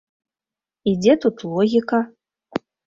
І дзе тут логіка?